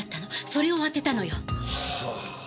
それを当てたのよ！はあぁ！